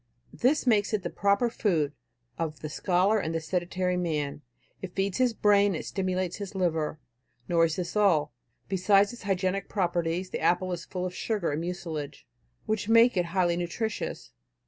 This makes it the proper food of the scholar and the sedentary man; it feeds his brain and it stimulates his liver. Nor is this all. Besides its hygienic properties, the apple is full of sugar and mucilage, which make it highly nutritious.